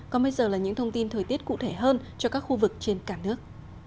còn bây giờ là những thông tin thời tiết cụ thể hơn cho các khu vực trên cả nước